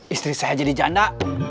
istri saya jadi janda